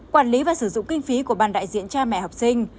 quản lý và sử dụng kinh phí của ban đại diện cha mẹ học sinh